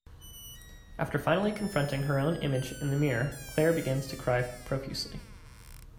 After finally confronting her own image in the mirror Clare begins to cry profusely.